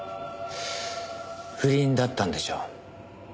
不倫だったんでしょう。